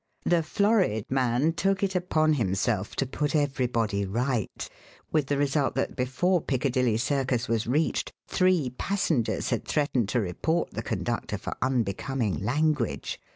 The florid man took it upon himself to put everybody right, with the result that before Piccadilly Circus was reached three passengers had threatened to report the conductor for unbecoming language.